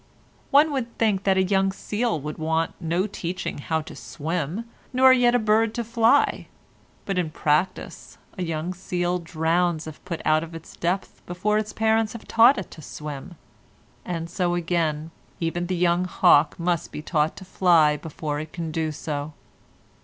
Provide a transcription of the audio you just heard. One would think that a young seal would want no teaching how to swim, nor yet a bird to fly, but in practice a young seal drowns if put out of its depth before its parents have taught it to swim; and so again, even the young hawk must be taught to fly before it can do so.